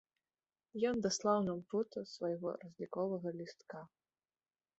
Ён даслаў нам фота свайго разліковага лістка.